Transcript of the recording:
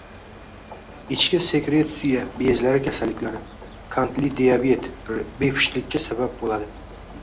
Ichki sekretsiya bezlari kasalliklari, qandli diabet bepushtlikka sabab bo‘ladi.